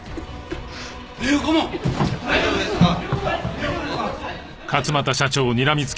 大丈夫ですか！？